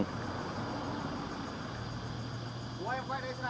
cứu em quay đây xem nào